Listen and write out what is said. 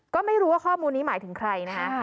ก็ไม่รู้ว่าข้อมูลนี้หมายถึงใครนะคะ